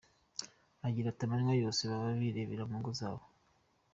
Agira ati :”Amanywa yose baba bibereye mu ngo zabo”.